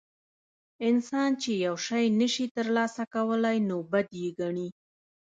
انسان چې یو شی نشي ترلاسه کولی نو بد یې ګڼي.